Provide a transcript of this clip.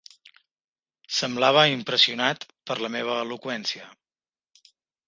Semblava impressionat per la meva eloqüència.